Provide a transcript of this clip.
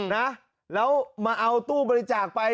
นะแล้วมาเอาตู้บริจาคไป